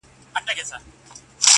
سرې سونډي دي یاره له شرابو زوروري دي